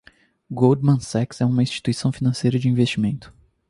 Goldman Sachs é uma instituição financeira de investimento.